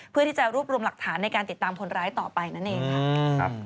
เพื่อที่จะรวบรวมหลักฐานในการติดตามคนร้ายต่อไปนั่นเองค่ะ